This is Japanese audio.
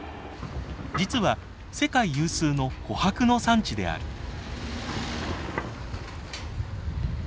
実は世界有数の琥珀の産地である。